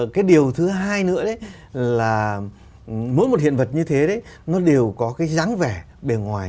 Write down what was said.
cái điều thứ hai nữa đấy là mỗi một hiện vật như thế đấy nó đều có cái dáng vẻ bề ngoài